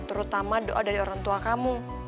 terutama doa dari orang tua kamu